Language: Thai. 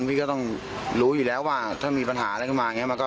พี่ก็เรียกรู้อยู่แล้วว่าถ้ามีปัญหาอะไรมา